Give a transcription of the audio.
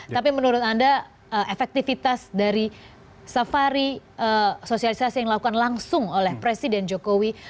tapi menurut anda efektivitas dari safari sosialisasi yang dilakukan langsung oleh presiden jokowi